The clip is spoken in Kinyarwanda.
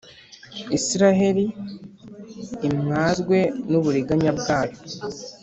Israheli imwazwe n’uburiganya bwayo.